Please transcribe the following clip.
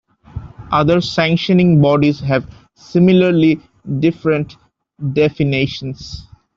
Other sanctioning bodies have similarly different definitions.